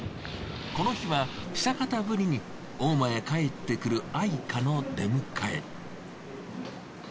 この日は久方ぶりに大間へ帰ってくる愛華の出迎え。